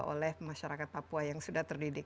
oleh masyarakat papua yang sudah terdidik